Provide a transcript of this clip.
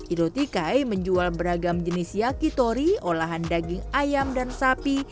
idotikai menjual beragam jenis yakitori olahan daging ayam dan sapi